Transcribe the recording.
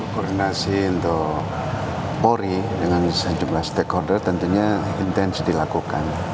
koordinasi untuk polri dengan sejumlah stakeholder tentunya intens dilakukan